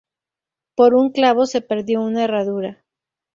Por un clavo se perdió una herradura